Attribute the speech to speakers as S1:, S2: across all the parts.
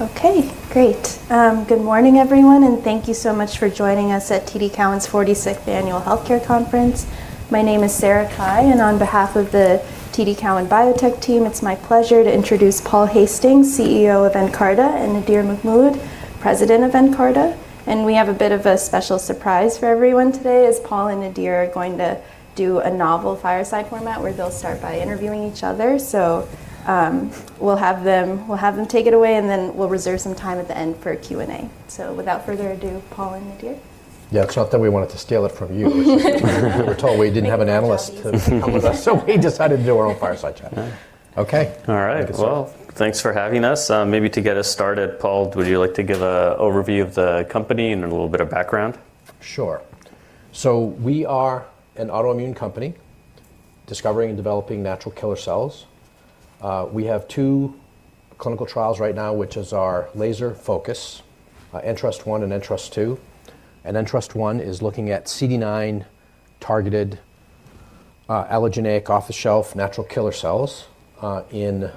S1: Okay, great. Good morning everyone, and thank you so much for joining us at TD Cowen's 46th Annual Healthcare Conference. My name is Sarah Cai, and on behalf of the TD Cowen Biotech team, it's my pleasure to introduce Paul Hastings, CEO of Nkarta, and Nadir Mahmood, President of Nkarta. We have a bit of a special surprise for everyone today, as Paul and Nadir are going to do a novel fireside format where they'll start by interviewing each other. We'll have them take it away, and then we'll reserve some time at the end for Q&A. Without further ado, Paul and Nadir.
S2: Yeah. It's not that we wanted to steal it from you. We were told we didn't have an analyst to come with us, so we decided to do our own fireside chat.
S3: Right.
S2: Okay.
S3: All right.
S2: Take it away.
S3: Thanks for having us. Maybe to get us started, Paul, would you like to give a overview of the company and a little bit of background?
S2: Sure. We are an autoimmune company discovering and developing natural killer cells. We have two clinical trials right now, which is our laser focus, Ntrust-1 and Ntrust-2. Ntrust-1 is looking at CD19 targeted, allogeneic off-the-shelf natural killer cells, in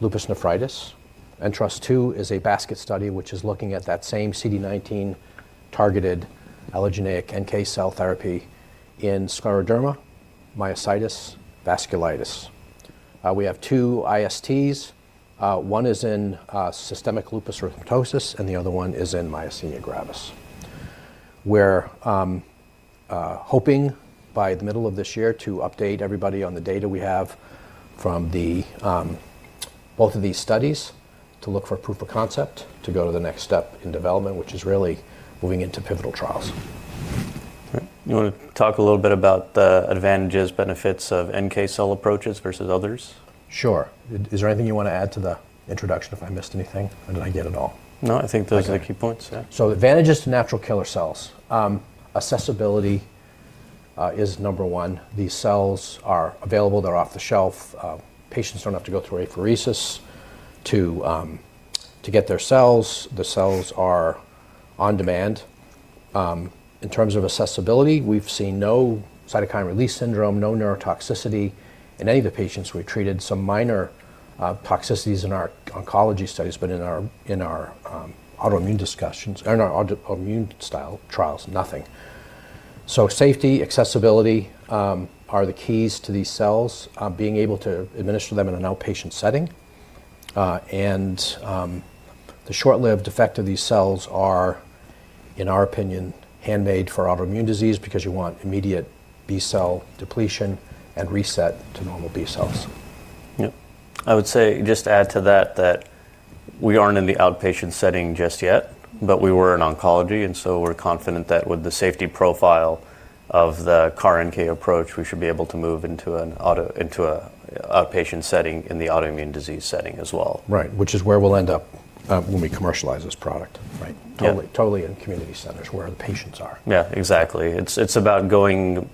S2: lupus nephritis. Ntrust-2 is a basket study which is looking at that same CD19 targeted allogeneic NK cell therapy in scleroderma, myositis, vasculitis. We have 2 ISTs. One is in systemic lupus erythematosus, and the other one is in myasthenia gravis. We're hoping by the middle of this year to update everybody on the data we have from the both of these studies to look for proof of concept to go to the next step in development, which is really moving into pivotal trials.
S3: All right. You wanna talk a little bit about the advantages, benefits of NK cell approaches versus others?
S2: Sure. Is there anything you wanna add to the introduction, if I missed anything, or did I get it all?
S3: No, I think those are the key points. Yeah.
S2: Advantages to natural killer cells. Accessibility is number one. These cells are available. They're off the shelf. Patients don't have to go through apheresis to get their cells. The cells are on demand. In terms of accessibility, we've seen no cytokine release syndrome, no neurotoxicity in any of the patients we've treated. Some minor toxicities in our oncology studies, but in our autoimmune discussions or in our autoimmune style trials, nothing. Safety, accessibility are the keys to these cells being able to administer them in an outpatient setting. The short-lived effect of these cells are, in our opinion, handmade for autoimmune disease because you want immediate B-cell depletion and reset to normal B cells.
S3: Yep. I would say just add to that we aren't in the outpatient setting just yet, but we were in oncology, and so we're confident that with the safety profile of the CAR-NK approach, we should be able to move into an outpatient setting in the autoimmune disease setting as well.
S2: Right. Which is where we'll end up, when we commercialize this product.
S3: Right. Yeah.
S2: Totally. Totally in community centers where the patients are.
S3: Yeah, exactly. It's, it's about going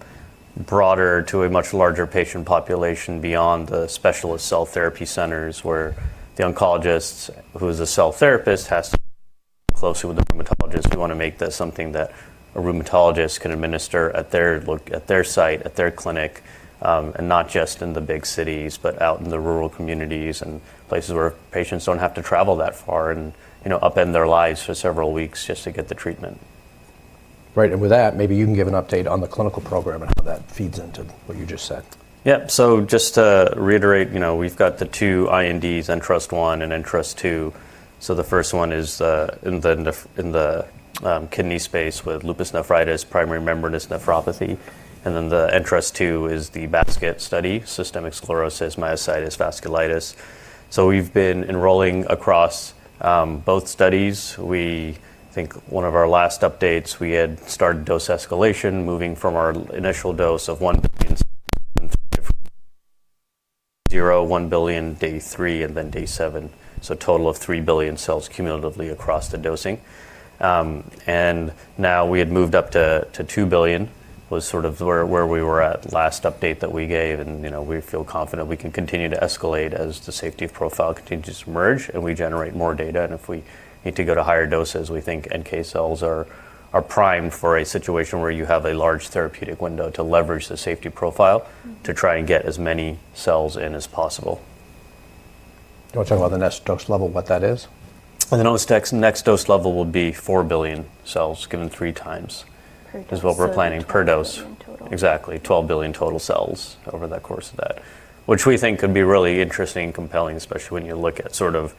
S3: broader to a much larger patient population beyond the specialist cell therapy centers where the oncologist, who's a cell therapist, has to work closely with the rheumatologist. We wanna make that something that a rheumatologist can administer at their site, at their clinic, and not just in the big cities, but out in the rural communities and places where patients don't have to travel that far and, you know, upend their lives for several weeks just to get the treatment.
S2: Right. With that, maybe you can give an update on the clinical program and how that feeds into what you just said.
S3: Yeah. Just to reiterate, you know, we've got the two INDs, Ntrust-1 and Ntrust-2. The first one is in the kidney space with lupus nephritis, primary membranous nephropathy. The Ntrust-2 is the basket study, systemic sclerosis, myositis, vasculitis. We've been enrolling across both studies. We think one of our last updates we had started dose escalation, moving from our initial dose of 1 billion 0, 1 billion day three, and then day seven. Total of 3 billion cells cumulatively across the dosing. Now we had moved up to 2 billion, was sort of where we were at last update that we gave. You know, we feel confident we can continue to escalate as the safety profile continues to emerge, and we generate more data. If we need to go to higher doses, we think NK cells are primed for a situation where you have a large therapeutic window to leverage the safety profile to try and get as many cells in as possible.
S2: You wanna talk about the next dose level, what that is?
S3: The next dose level will be 4 billion cells given 3x.
S1: Per dose.
S2: Is what we're planning per dose.
S1: $12 billion total.
S2: Exactly. 12 billion total cells over the course of that which we think could be really interesting and compelling, especially when you look at sort of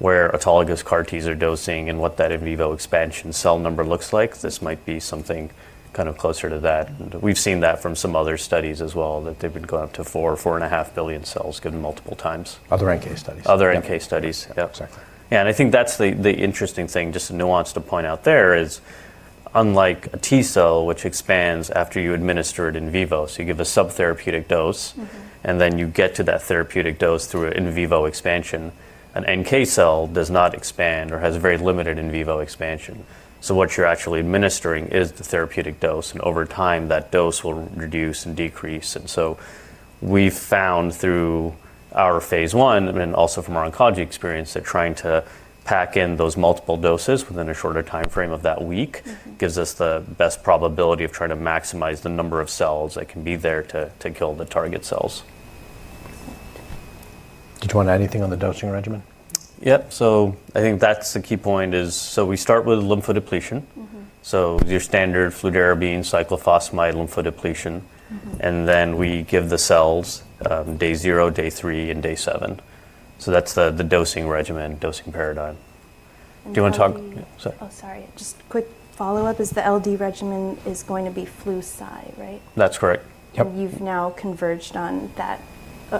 S2: where autologous CAR-Ts are dosing and what that in vivo expansion cell number looks like. This might be something kind of closer to that. We've seen that from some other studies as well, that they would go up to 4.5 billion cells given multiple times. Other NK studies.
S3: Other NK studies. Yep.
S2: Sorry.
S3: Yeah. I think that's the interesting thing, just a nuance to point out there is unlike a T-cell which expands after you administer it in vivo, so you give a subtherapeutic dose-
S1: Mm-hmm
S2: You get to that therapeutic dose through an in vivo expansion. An NK cell does not expand or has a very limited in vivo expansion. What you're actually administering is the therapeutic dose, and over time, that dose will reduce and decrease. We've found through our phase I and then also from our oncology experience that trying to pack in those multiple doses within a shorter timeframe of that week.
S1: Mm-hmm
S3: Gives us the best probability of trying to maximize the number of cells that can be there to kill the target cells.
S2: Did you want to add anything on the dosing regimen?
S3: Yep. I think that's the key point is, so we start with lymphodepletion.
S1: Mm-hmm.
S3: Your standard fludarabine, cyclophosphamide lymphodepletion.
S1: Mm-hmm.
S3: Then we give the cells, day zero, day three, and day seven. That's the dosing regimen, dosing paradigm.
S1: We-
S3: Do you want to talk... Sorry.
S1: Sorry. Just quick follow-up is the LD regimen is going to be Flu/Cy, right?
S3: That's correct. Yep.
S1: You've now converged on that,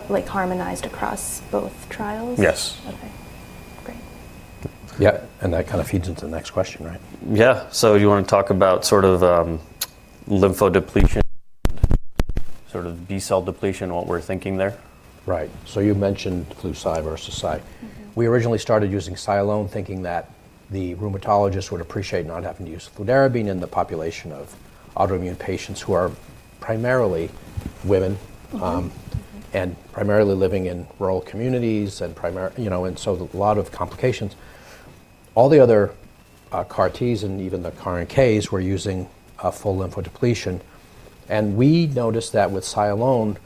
S1: like harmonized across both trials?
S3: Yes.
S1: Okay. Great.
S2: Yeah. That kind of feeds into the next question, right?
S3: Yeah. You want to talk about sort of, lymphodepletion, sort of B-cell depletion, what we're thinking there?
S2: Right. You mentioned Flu/Cy versus Cy.
S1: Mm-hmm.
S2: We originally started using cy alone, thinking that the rheumatologist would appreciate not having to use fludarabine in the population of autoimmune patients who are primarily women-
S1: Mm-hmm
S2: And primarily living in rural communities and you know, and so a lot of complications. All the other, CAR-Ts and even the CAR-NKs were using a full lymphodepletion. We noticed that with Cy alone,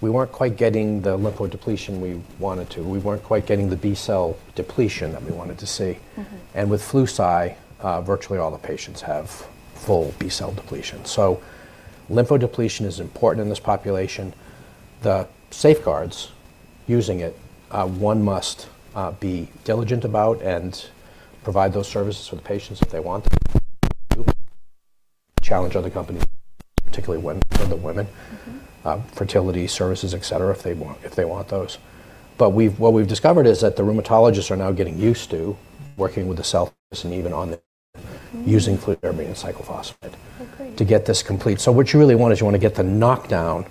S2: we weren't quite getting the lymphodepletion we wanted to. We weren't quite getting the B-cell depletion that we wanted to see.
S1: Mm-hmm.
S2: With Flu/Cy, virtually all the patients have full B-cell depletion. Lymphodepletion is important in this population. The safeguards using it, one must be diligent about and provide those services for the patients if they want them. Challenge other companies, particularly when for the women.
S1: Mm-hmm.
S2: Fertility services, etc., if they want, if they want those. What we've discovered is that the rheumatologists are now getting used to working with the cell and even on using fludarabine and cyclophosphamide.
S1: Okay
S2: To get this complete. What you really want is you want to get the knockdown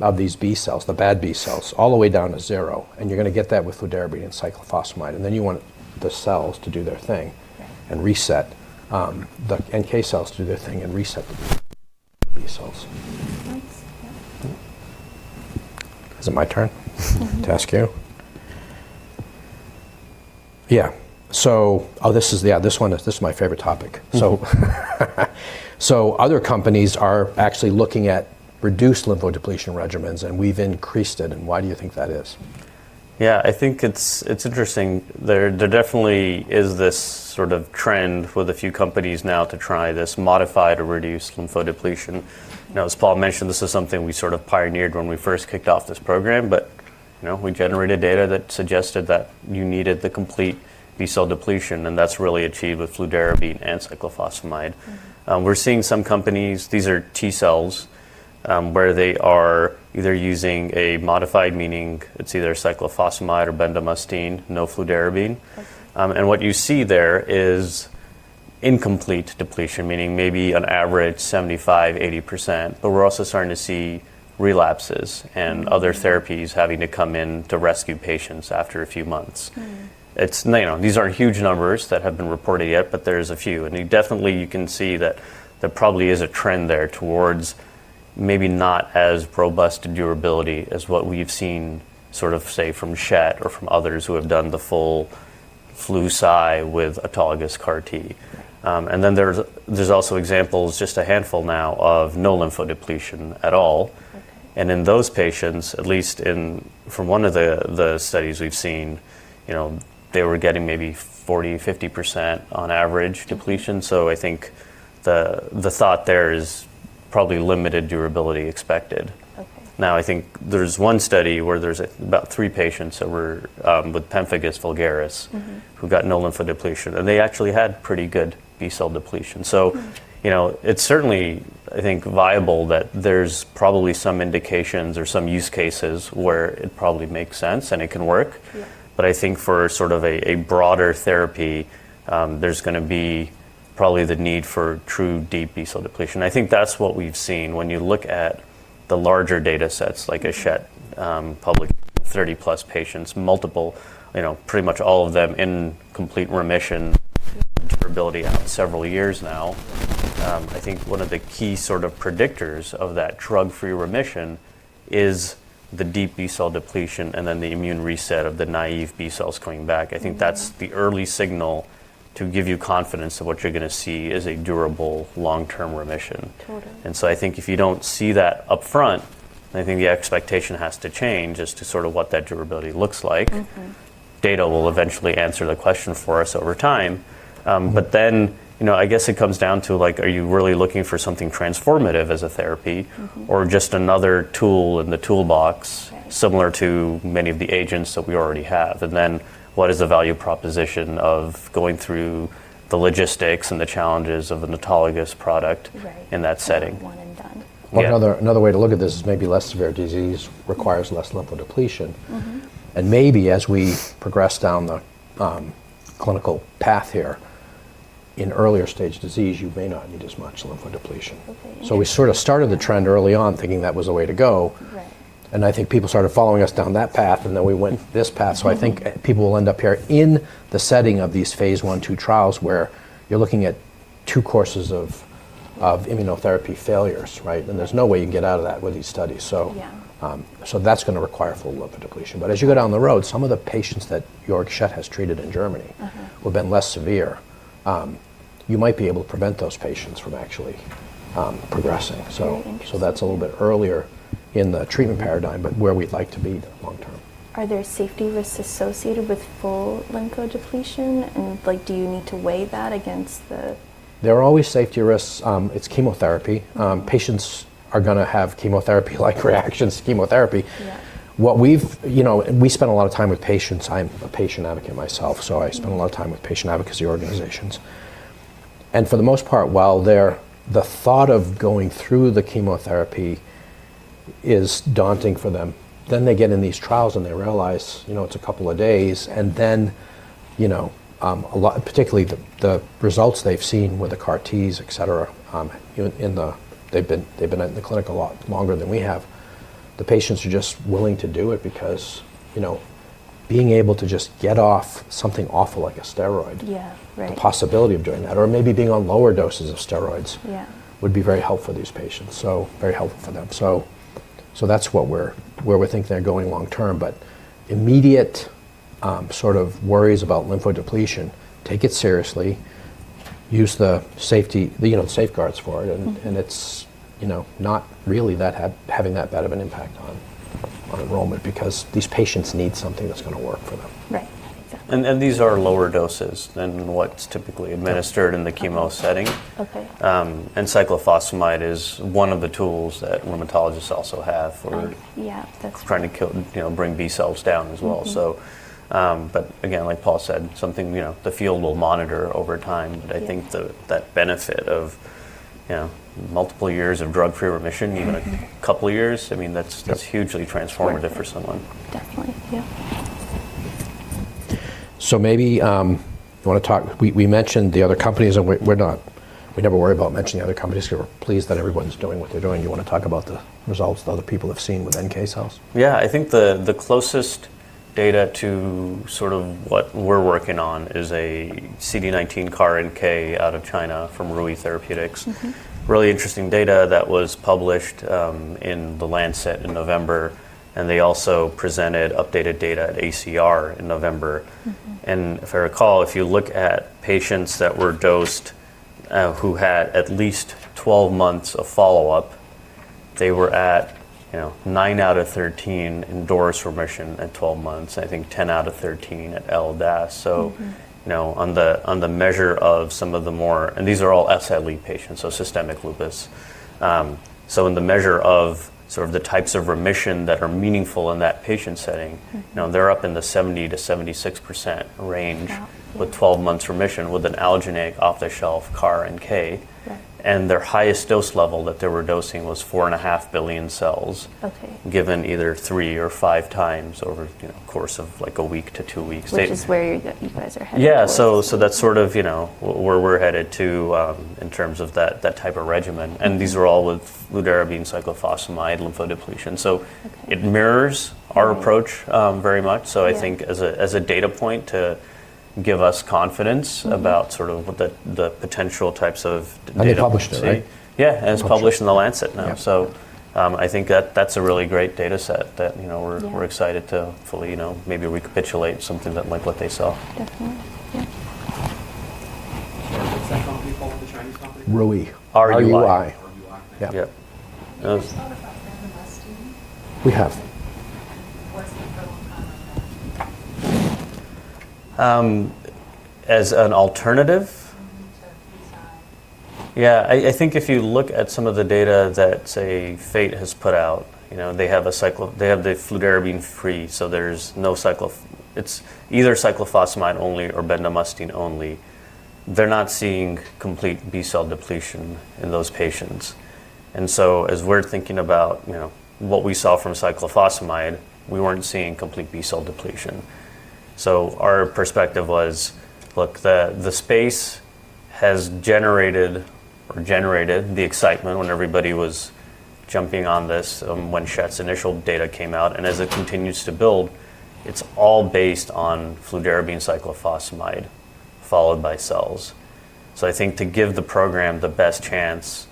S2: of these B cells, the bad B cells, all the way down to zero, you're going to get that with fludarabine and cyclophosphamide. Then you want the cells to do their thing.
S1: Right
S2: And reset, the NK cells to do their thing and reset the B cells.
S1: Thanks. Yep.
S2: Is it my turn to ask you? Yeah. Oh, this is, yeah, this one is, this is my favorite topic.
S3: Mm-hmm.
S2: Other companies are actually looking at reduced lymphodepletion regimens, and we've increased it. Why do you think that is?
S3: Yeah. I think it's interesting. There definitely is this sort of trend with a few companies now to try this modified or reduced lymphodepletion. Now, as Paul mentioned, this is something we sort of pioneered when we first kicked off this program, but you know, we generated data that suggested that you needed the complete B-cell depletion, and that's really achieved with fludarabine and cyclophosphamide.
S1: Mm-hmm.
S3: We're seeing some companies, these are T cells, where they are either using a modified, meaning it's either cyclophosphamide or bendamustine, no fludarabine.
S1: Okay.
S3: What you see there is incomplete depletion, meaning maybe on average 75%, 80%. We're also starting to see relapses and other therapies having to come in to rescue patients after a few months.
S1: Mm-hmm.
S3: It's, you know, these aren't huge numbers that have been reported yet, but there's a few. You definitely, you can see that there probably is a trend there towards maybe not as robust durability as what we've seen sort of, say, from Schett or from others who have done the full Flu/Cy with autologous CAR-T. Then there's also examples, just a handful now, of no lymphodepletion at all.
S1: Okay.
S3: In those patients, at least from one of the studies we've seen, you know, they were getting maybe 40%, 50% on average depletion. I think the thought there is probably limited durability expected.
S1: Okay.
S3: I think there's one study where there's about three patients that were with pemphigus vulgaris.
S1: Mm-hmm
S3: who got no lymphodepletion, and they actually had pretty good B-cell depletion.
S1: Mm-hmm
S3: You know, it's certainly, I think, viable that there's probably some indications or some use cases where it probably makes sense and it can work.
S1: Yeah.
S3: I think for sort of a broader therapy, there's gonna be probably the need for true deep B-cell depletion. I think that's what we've seen when you look at the larger data sets, like a Chet, public 30+ patients, multiple, you know, pretty much all of them in complete remission, durability out several years now. I think one of the key sort of predictors of that drug-free remission is the deep B-cell depletion and then the immune reset of the naive B cells coming back.
S1: Mm-hmm.
S3: I think that's the early signal to give you confidence that what you're gonna see is a durable long-term remission.
S1: Totally.
S3: I think if you don't see that upfront, I think the expectation has to change as to sort of what that durability looks like.
S1: Mm-hmm.
S3: Data will eventually answer the question for us over time. You know, I guess it comes down to, like, are you really looking for something transformative as a therapy?
S1: Mm-hmm
S3: Or just another tool in the toolbox.
S1: Right
S3: Similar to many of the agents that we already have? What is the value proposition of going through the logistics and the challenges of an autologous product-
S1: Right
S3: ...in that setting?
S1: One and done.
S3: Yeah.
S2: Another way to look at this is maybe less severe disease requires less lymphodepletion.
S1: Mm-hmm.
S2: Maybe as we progress down the clinical path here, in earlier stage disease, you may not need as much lymphodepletion.
S1: Okay.
S2: We sort of started the trend early on thinking that was the way to go.
S1: Right.
S2: I think people started following us down that path, and then we went this path. I think people will end up here in the setting of these phase I, II trials where you're looking at two courses of immunotherapy failures, right?
S1: Right.
S2: There's no way you can get out of that with these studies.
S1: Yeah
S2: That's gonna require full lymphodepletion. As you go down the road, some of the patients that Georg Schett has treated in Germany-
S1: Mm-hmm
S2: ...who have been less severe, You might be able to prevent those patients from actually progressing.
S1: Very interesting.
S2: That's a little bit earlier in the treatment paradigm, but where we'd like to be long term.
S1: Are there safety risks associated with full lymphodepletion? Like, do you need to weigh that against
S2: There are always safety risks. It's chemotherapy. Patients are gonna have chemotherapy like reactions to chemotherapy.
S1: Yeah.
S2: What we've... You know, we spend a lot of time with patients. I'm a patient advocate myself, so I spend a lot of time with patient advocacy organizations. For the most part, while the thought of going through the chemotherapy is daunting for them, then they get in these trials and they realize, you know, it's a couple of days and then, you know, a lot... Particularly the results they've seen with the CAR-Ts etc., you know, They've been in the clinic a lot longer than we have. The patients are just willing to do it because, you know, being able to just get off something awful like a steroid.
S1: Yeah. Right.
S2: The possibility of doing that, or maybe being on lower doses of steroids.
S1: Yeah
S2: Would be very helpful for these patients. Very helpful for them. That's what we think they're going long term. Immediate, sort of worries about lymphodepletion, take it seriously, use the safety, you know, the safeguards for it.
S1: Mm-hmm
S2: And it's, you know, not really having that bad of an impact on enrollment because these patients need something that's gonna work for them.
S1: Right. Yeah.
S3: These are lower doses than what's typically administered in the chemo setting.
S1: Okay.
S3: Cyclophosphamide is one of the tools that rheumatologists also have.
S1: Yeah. That's right
S3: Trying to kill, you know, bring B cells down as well.
S1: Mm-hmm.
S3: Again, like Paul said, something, you know, the field will monitor over time.
S1: Yeah.
S3: I think that benefit of, you know, multiple years of drug-free remission.
S1: Mm-hmm
S3: Even a couple of years, I mean, that's hugely transformative for someone.
S1: Definitely. Yeah.
S2: Maybe, We mentioned the other companies. We never worry about mentioning the other companies who are pleased that everyone's doing what they're doing. You wanna talk about the results that other people have seen with NK cells?
S3: Yeah. I think the closest data to sort of what we're working on is a CD19 CAR-NK out of China from RUI Therapeutics.
S1: Mm-hmm.
S3: Really interesting data that was published, in The Lancet in November, and they also presented updated data at ACR in November.
S1: Mm-hmm.
S3: If I recall, if you look at patients that were dosed, who had at least 12 months of follow-up, they were at, you know, nine out of 13 in DORIS remission at 12 months, I think 10 out of 13 at LDAS.
S1: Mm-hmm.
S3: You know, on the, on the measure of some of the more. These are all SLE patients, so systemic lupus. In the measure of sort of the types of remission that are meaningful in that patient setting.
S1: Mm-hmm
S3: You know, they're up in the 70%-76% range.
S1: Wow
S3: With 12 months remission with an allogeneic off-the-shelf CAR-NK.
S1: Right.
S3: Their highest dose level that they were dosing was 4.5 billion cells.
S1: Okay
S3: Given either 3x or 5x over, you know, the course of like a week to two weeks.
S1: Which is where you guys are headed for.
S3: Yeah. So that's sort of, you know, where we're headed to, in terms of that type of regimen.
S1: Mm-hmm.
S3: These are all with fludarabine cyclophosphamide lymphodepletion.
S1: Okay.
S3: It mirrors our approach.
S1: Right
S3: Very much.
S1: Yeah.
S3: I think as a data point to give us confidence.
S2: Mm
S3: About sort of the potential types of
S2: They published it, right?
S3: Yeah. It's published in The Lancet now.
S2: Yeah.
S3: I think that's a really great data set that, you know.
S1: Yeah
S3: We're excited to fully, you know, maybe recapitulate something that like what they saw.
S1: Definitely. Yeah. Sorry, what's that company called, the Chinese company again?
S2: RUI.
S3: R-U-I.
S2: R-U-I.
S1: R-U-I.
S2: Yeah.
S3: Yeah.
S1: Have you guys thought about bendamustine?
S2: We have.
S1: What's the protocol on that?
S3: As an alternative?
S1: Mm-hmm, to these.
S3: Yeah. I think if you look at some of the data that, say, Fate has put out, you know. They have the fludarabine free. It's either cyclophosphamide only or bendamustine only. They're not seeing complete B-cell depletion in those patients. As we're thinking about, you know, what we saw from cyclophosphamide, we weren't seeing complete B-cell depletion. Our perspective was, look, the space has generated or generated the excitement when everybody was jumping on this, when Chet's initial data came out. As it continues to build, it's all based on fludarabine cyclophosphamide followed by cells. I think to give the program the best chance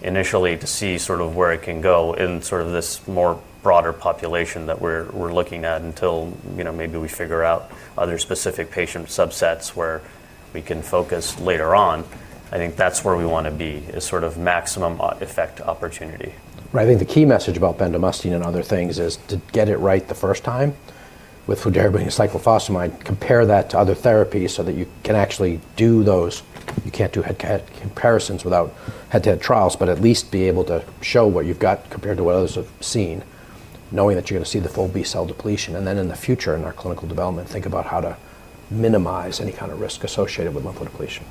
S3: initially to see sort of where it can go in sort of this more broader population that we're looking at until, you know, maybe we figure out other specific patient subsets where we can focus later on, I think that's where we wanna be, is sort of maximum effect opportunity.
S2: Right. I think the key message about bendamustine and other things is to get it right the first time with fludarabine cyclophosphamide, compare that to other therapies so that you can actually do those. You can't do head-to-head comparisons without head-to-head trials, but at least be able to show what you've got compared to what others have seen, knowing that you're gonna see the full B-cell depletion. In the future, in our clinical development, think about how to minimize any kind of risk associated with lymphodepletion.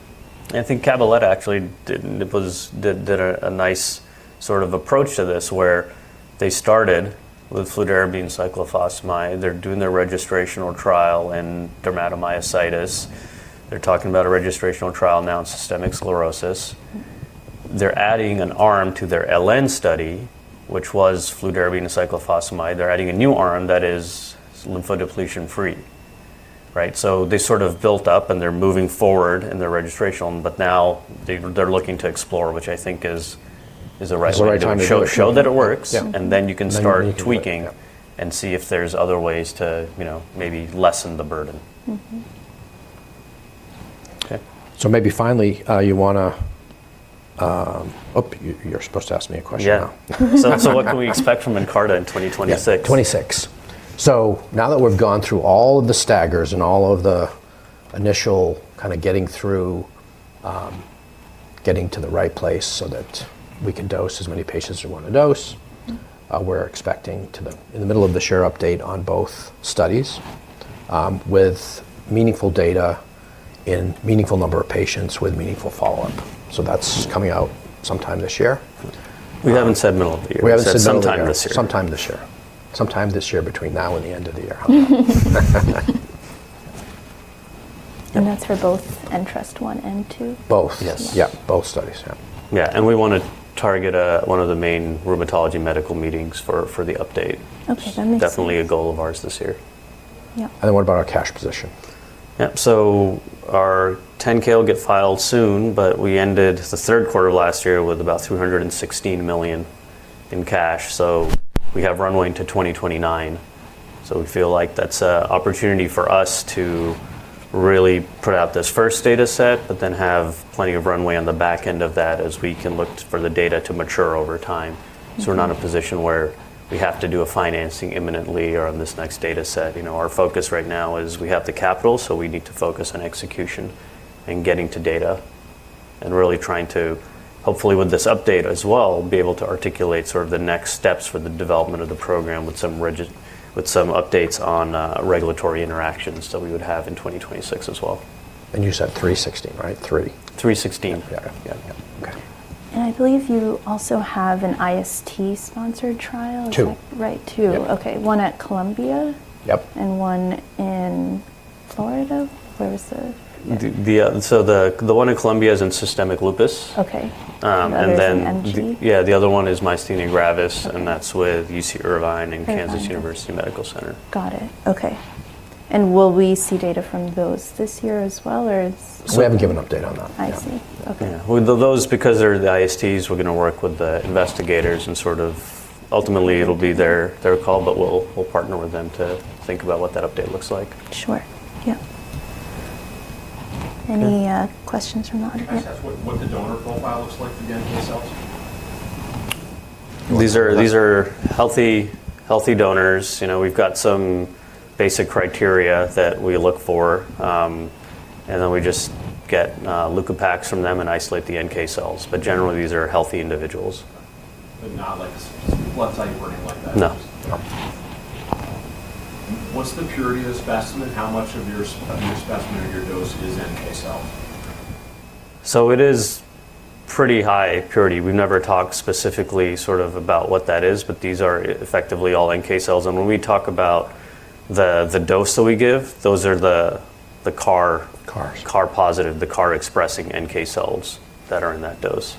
S3: I think Cabaletta actually did a nice sort of approach to this where they started with fludarabine cyclophosphamide. They're doing their registrational trial in dermatomyositis. They're talking about a registrational trial now in systemic sclerosis.
S1: Mm-hmm.
S3: They're adding an arm to their LN study, which was fludarabine cyclophosphamide. They're adding a new arm that is lymphodepletion free, right? They sort of built up and they're moving forward in their registrational, but now they're looking to explore, which I think is the right time to show that it works.
S2: Yeah...
S3: you can start tweaking.
S2: You can do it. Yeah
S3: And see if there's other ways to, you know, maybe lessen the burden.
S1: Mm-hmm.
S2: Okay. maybe finally, you wanna, ... Oh, you're supposed to ask me a question now.
S3: Yeah. What can we expect from Nkarta in 2026?
S2: Yeah, 2026. Now that we've gone through all the staggers and all of the initial kinda getting through, getting to the right place so that we can dose as many patients as we wanna dose.
S1: Mm
S2: In the middle of the share update on both studies, with meaningful data and meaningful number of patients with meaningful follow-up. That's coming out sometime this year.
S3: We haven't said middle of the year.
S2: We haven't said middle of the year.
S3: We said sometime this year.
S2: Sometime this year. Sometime this year, between now and the end of the year.
S1: That's for both Ntrust-1 and 2?
S2: Both.
S3: Yes.
S2: Yeah, both studies. Yeah.
S3: Yeah. We wanna target one of the main rheumatology medical meetings for the update.
S1: Okay, that makes sense.
S3: Definitely a goal of ours this year.
S1: Yep.
S2: What about our cash position?
S3: Yep. Our 10-K will get filed soon, but we ended the third quarter of last year with about $316 million in cash. We have runway to 2029, we feel like that's a opportunity for us to really put out this first data set, have plenty of runway on the back end of that as we can look for the data to mature over time.
S1: Mm-hmm.
S3: We're not in a position where we have to do a financing imminently or on this next data set. You know, our focus right now is we have the capital, so we need to focus on execution and getting to data and really trying to, hopefully with this update as well, be able to articulate sort of the next steps for the development of the program with some updates on regulatory interactions that we would have in 2026 as well.
S2: You said 316, right? Three.
S3: 316.
S2: Yeah.
S3: Yeah.
S2: Yeah. Okay.
S1: I believe you also have an IST-sponsored trial.
S2: Two.
S1: Is that right? Two.
S2: Yep.
S1: Okay. One at Columbia?
S2: Yep.
S1: One in Florida? Where was the... Yeah.
S3: The one in Columbia is in systemic lupus.
S1: Okay.
S3: Um, and then-
S1: The other is in MG.
S3: Yeah. The other one is myasthenia gravis-
S1: Okay
S3: That's with UC Irvine and University of Kansas Medical Center.
S1: Got it. Okay. Will we see data from those this year as well, or?
S2: We haven't given an update on that.
S1: I see.
S2: Yeah.
S1: Okay.
S3: Yeah. With those, because they're the ISTs, we're gonna work with the investigators and sort of... Ultimately, it'll be their call, but we'll partner with them to think about what that update looks like.
S1: Sure. Yep.
S2: Sure.
S1: Any questions from the audience? Can I ask what the donor profile looks like, the NK cells?
S3: These are healthy donors. You know, we've got some basic criteria that we look for, and then we just get leukopaks from them and isolate the NK cells. Generally, these are healthy individuals.
S1: Not like blood type or anything like that?
S3: No.
S1: Okay. What's the purity of the specimen? How much of your specimen or your dose is NK cell?
S3: It is pretty high purity. We've never talked specifically sort of about what that is, but these are effectively all NK cells. When we talk about the dose that we give, those are the CAR-
S2: CARs
S3: CAR-positive, the CAR-expressing NK cells that are in that dose.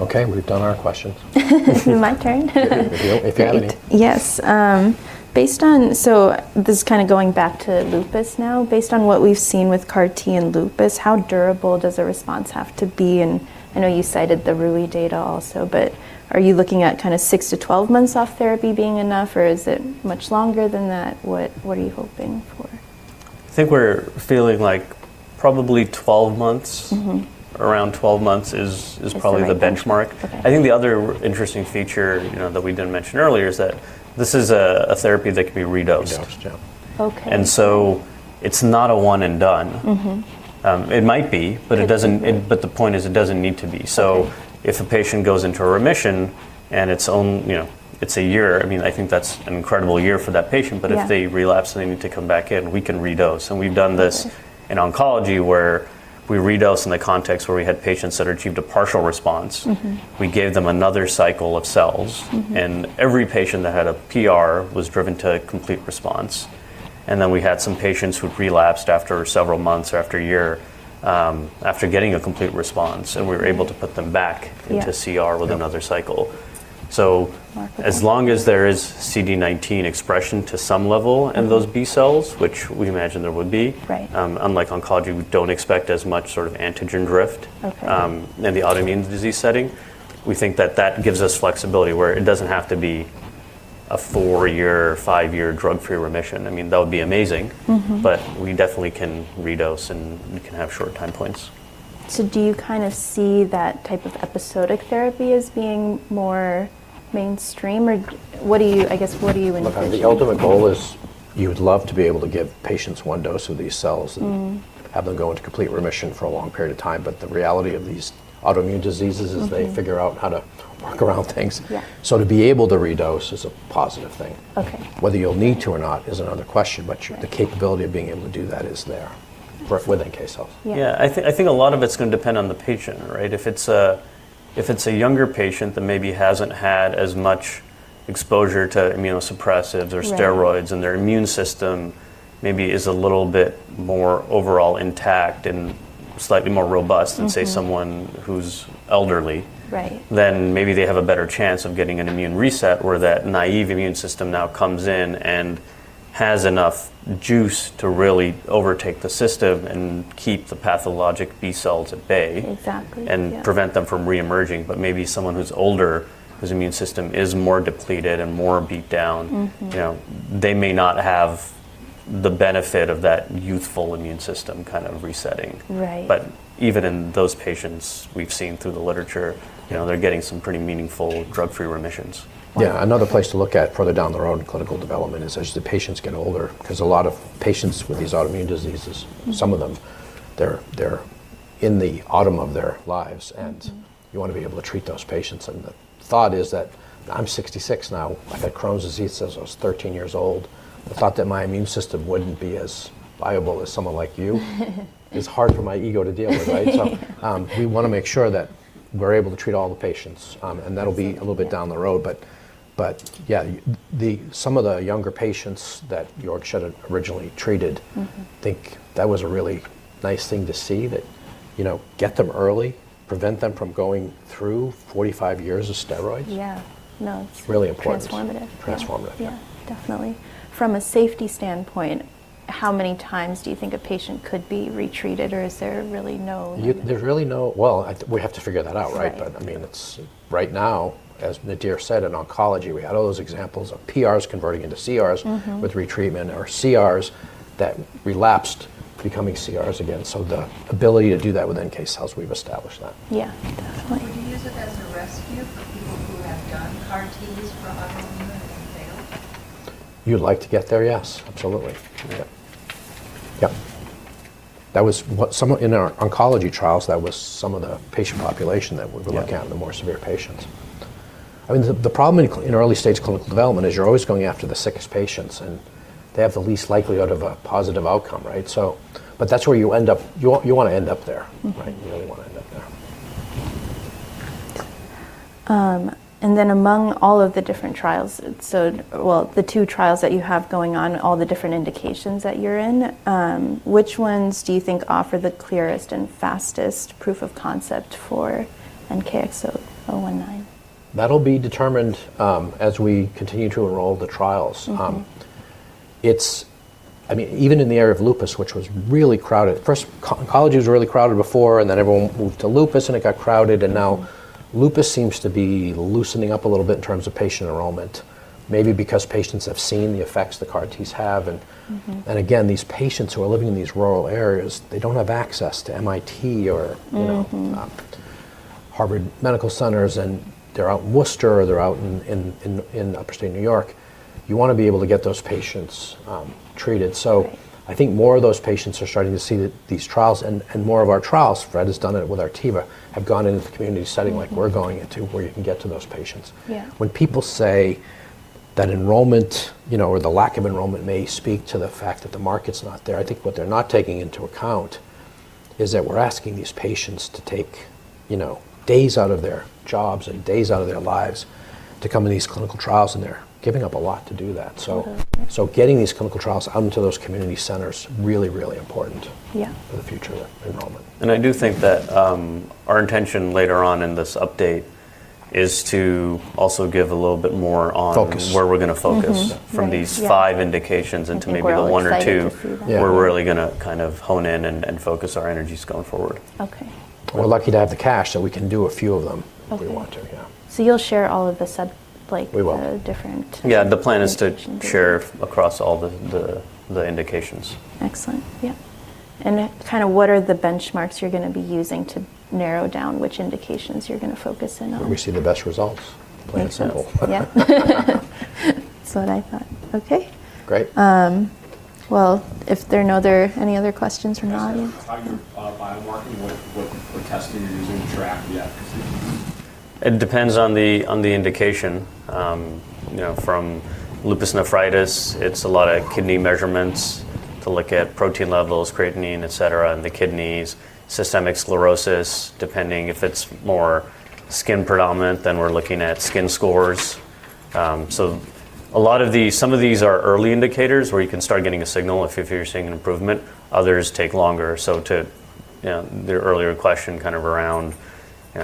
S2: Okay, we've done our questions.
S1: My turn?
S2: If you have any.
S1: Great. Yes. Just kinda going back to lupus now. Based on what we've seen with CAR-T in lupus, how durable does a response have to be? I know you cited the RUI data also, but are you looking at kinda 6-12 months off therapy being enough, or is it much longer than that? What are you hoping for?
S3: I think we're feeling like probably 12 months.
S1: Mm-hmm.
S3: Around 12 months is probably the benchmark.
S1: Is the right point. Okay.
S3: I think the other interesting feature, you know, that we didn't mention earlier is that this is a therapy that can be redosed.
S2: Redosed, yeah.
S1: Okay.
S3: It's not a one and done.
S1: Mm-hmm.
S3: It might be, but it doesn't-
S1: It could be....
S3: it... The point is it doesn't need to be.
S1: Okay.
S3: If a patient goes into a remission and it's on... you know, it's a year, I mean, I think that's an incredible year for that patient.
S1: Yeah.
S3: If they relapse and they need to come back in, we can redose.
S1: Okay.
S3: We've done this in oncology where we redose in the context where we had patients that achieved a partial response.
S1: Mm-hmm.
S3: We gave them another cycle of cells.
S1: Mm-hmm.
S3: Every patient that had a PR was driven to complete response, and then we had some patients who relapsed after several months or after a year, after getting a complete response, and we were able to put them-
S1: Yeah
S3: ...into CR with another cycle.
S2: Yep.
S3: So-
S1: Remarkable...
S3: as long as there is CD19 expression to some level.
S1: Mm-hmm...
S3: in those B cells, which we imagine there would be-
S1: Right...
S3: unlike oncology, we don't expect as much sort of antigenic drift.
S1: Okay
S3: in the autoimmune disease setting. We think that that gives us flexibility where it doesn't have to be a four-year, five-year drug-free remission. I mean, that would be amazing.
S1: Mm-hmm
S3: We definitely can redose and we can have short time points.
S1: Do you kind of see that type of episodic therapy as being more mainstream, or I guess, what do you envision?
S2: Look, the ultimate goal is you would love to be able to give patients one dose of these cells-
S1: Mm-hmm...
S2: and have them go into complete remission for a long period of time. The reality of these autoimmune diseases.
S1: Mm-hmm...
S2: figure out how to work around things.
S1: Yeah.
S2: To be able to redose is a positive thing.
S1: Okay.
S2: Whether you'll need to or not is another question.
S1: Right...
S2: the capability of being able to do that is there for, with NK cells.
S1: Yeah.
S3: Yeah. I think a lot of it's gonna depend on the patient, right? If it's a younger patient that maybe hasn't had as much exposure to immunosuppressants or steroids.
S1: Right
S3: ...and their immune system maybe is a little bit more overall intact and, slightly more robust...
S1: Mm-hmm...
S3: than, say, someone who's elderly.
S1: Right.
S3: Maybe they have a better chance of getting an immune reset where that naive immune system now comes in and has enough juice to really overtake the system and keep the pathologic B cells at bay-
S1: Exactly, yeah....
S3: and prevent them from reemerging. Maybe someone who's older, whose immune system is more depleted and more beat down.
S1: Mm-hmm
S3: You know, they may not have the benefit of that youthful immune system kind of resetting.
S1: Right.
S3: Even in those patients we've seen through the literature, you know, they're getting some pretty meaningful drug-free remissions.
S1: Wow.
S2: Yeah. Another place to look at further down the road in clinical development is as the patients get older, 'cause a lot of patients with these autoimmune diseases-
S1: Mm...
S2: some of them, they're in the autumn of their lives.
S1: Mm-hmm
S2: You wanna be able to treat those patients. The thought is that I'm 66 now. I've had Crohn's disease since I was 13 years old. The thought that my immune system wouldn't be as viable as someone like, is hard for my ego to deal with, right? We wanna make sure that we're able to treat all the patients. That'll be a little bit down the road but yeah, the, some of the younger patients that Georg Schett had originally treated.
S1: Mm-hmm
S2: Think that was a really nice thing to see that, you know, get them early, prevent them from going through 45 years of steroids.
S1: Yeah. No.
S2: It's really important.
S1: Transformative.
S2: Transformative.
S1: Yeah. Yeah, definitely. From a safety standpoint, how many times do you think a patient could be retreated, or is there really no.
S2: Well, I, we have to figure that out, right?
S1: Right.
S2: I mean, Right now, as Nadir said, in oncology we had all those examples of PRs converting into CRs.
S1: Mm-hmm
S2: With retreatment, or CRs that relapsed becoming CRs again. The ability to do that with NK cells, we've established that.
S1: Yeah. Definitely. Would you use it as a rescue for people who have done CAR-Ts for autoimmune and it failed?
S2: You'd like to get there, yes. Absolutely. Yeah. Yep. In our oncology trials, that was some of the patient population-
S3: Yeah
S2: ...looking at, the more severe patients. I mean, the problem in early stage clinical development is you're always going after the sickest patients. They have the least likelihood of a positive outcome, right? That's where you end up. You wanna end up there.
S1: Mm-hmm.
S2: Right? You really wanna end up there.
S1: Among all of the different trials, well, the two trials that you have going on, all the different indications that you're in, which ones do you think offer the clearest and fastest proof of concept for NKX019?
S2: That'll be determined as we continue to enroll the trials.
S1: Mm-hmm.
S2: It's... I mean, even in the area of lupus, which was really crowded. First, oncology was really crowded before, and then everyone moved to lupus and it got crowded.
S1: Mm-hmm.
S2: Now lupus seems to be loosening up a little bit in terms of patient enrollment, maybe because patients have seen the effects the CAR-Ts have and...
S1: Mm-hmm...
S2: Again, these patients who are living in these rural areas, they don't have access to MIT or...
S1: Mm-hmm...
S2: you know, Harvard Medical Centers, they're out in Worcester or they're out in upper state New York. You wanna be able to get those patients treated.
S1: Right.
S2: I think more of those patients are starting to see that these trials and more of our trials, Fred has done it with Artiva, have gone into the community setting...
S1: Mm-hmm...
S2: like we're going into where you can get to those patients.
S1: Yeah.
S2: When people say that enrollment, you know, or the lack of enrollment may speak to the fact that the market's not there, I think what they're not taking into account is that we're asking these patients to take, you know, days out of their jobs and days out of their lives to come to these clinical trials, and they're giving up a lot to do that.
S1: Mm-hmm
S2: Getting these clinical trials out into those community centers, really, really important.
S1: Yeah
S2: for the future enrollment.
S3: I do think that our intention later on in this update is to also give a little bit more on-
S2: Focus
S3: where we're gonna.
S1: Mm-hmm. Right. Yeah....
S3: from these five indications into maybe the one or two-
S1: I think we're all excited to see that....
S3: we're really gonna kind of hone in and focus our energies going forward.
S1: Okay.
S2: We're lucky to have the cash, so we can do a few of them.
S1: Okay...
S2: if we want to, yeah.
S1: You'll share all of the sub.
S2: We will...
S1: different-
S3: Yeah. The plan is.
S1: indications...
S3: share across all the indications.
S1: Excellent. Yeah. Kind of what are the benchmarks you're gonna be using to narrow down which indications you're gonna focus in on?
S2: Where we see the best results. Playing it simple.
S1: Yeah. That's what I thought. Okay.
S2: Great.
S1: Well, if there are any other questions from our audience. How's your biomarker and what testing are you using to track the efficacy?
S3: It depends on the, on the indication. You know, from lupus nephritis, it's a lot of kidney measurements to look at protein levels, creatinine, etc., in the kidneys. Systemic sclerosis, depending if it's more skin predominant, then we're looking at skin scores. A lot of these, some of these are early indicators where you can start getting a signal if you're seeing an improvement. Others take longer. To, you know, the earlier question kind of around, you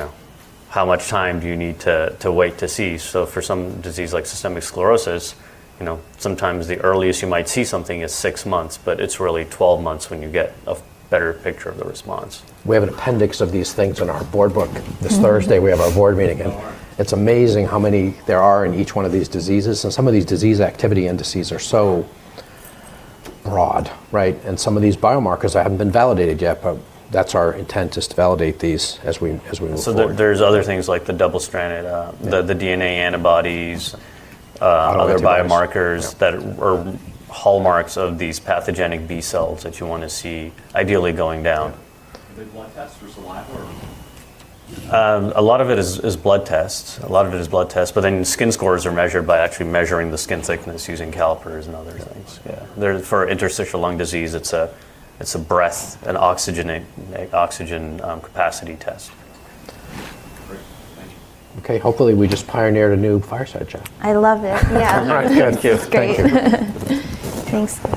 S3: know, how much time do you need to wait to see? For some disease like systemic sclerosis, you know, sometimes the earliest you might see something is six months, but it's really 12 months when you get a better picture of the response.
S2: We have an appendix of these things in our board book.
S1: Mm-hmm.
S2: This Thursday we have our board meeting, and it's amazing how many there are in each one of these diseases. Some of these disease activity indices are so broad, right? Some of these biomarkers haven't been validated yet, but that's our intent is to validate these as we move forward.
S3: There's other things like the double-stranded.
S2: Yeah
S3: the DNA antibodies.
S2: Other biomarkers...
S3: other biomarkers-
S2: Yep...
S3: that are hallmarks of these pathogenic B cells that you wanna see ideally going down.
S1: Yeah. Are they blood tests or saliva or?
S3: A lot of it is blood tests. A lot of it is blood tests, skin scores are measured by actually measuring the skin thickness using calipers and other things.
S2: Yeah.
S3: For interstitial lung disease, it's a breath, an oxygen capacity test.
S1: Great. Thank you.
S2: Okay. Hopefully we just pioneered a new fireside chat.
S1: I love it. Yeah.
S3: All right. Good. Cheers. Thank you.
S1: It's great. Thanks.